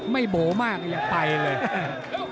ไม่โบ๋มากยังไปเลย